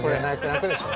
泣くでしょ。